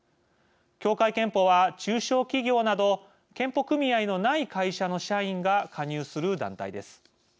協会けんぽは、中小企業など健保組合のない会社の社員が加入する団体です。